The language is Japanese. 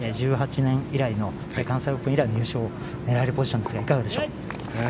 １８年以来の関西オープン以来の優勝を狙えるポジションですがいかがでしょう？